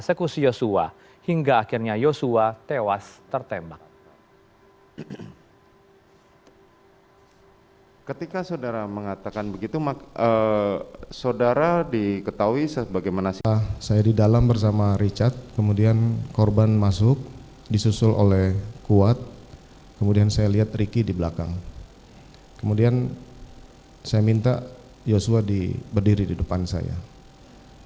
sekus yosua hingga akhirnya yosua tewas tertembak